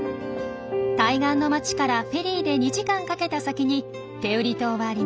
対岸の町からフェリーで２時間かけた先に天売島はあります。